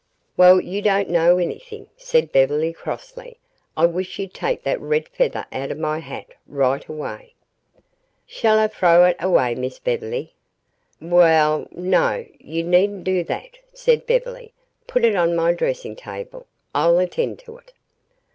"Well, you don't know everything," said Beverly crossly. "I wish you'd take that red feather out of my hat right away." "Shall Ah frow hit away, Miss Bev'ly?" "We ll, no; you needn't do that," said Beverly, "Put it on my dressing table. I'll attend to it."